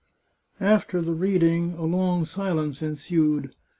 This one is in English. After the reading a long silence ensued.